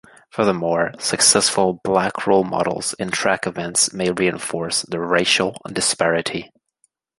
Furthermore, successful black role models in track events may reinforce the racial disparity.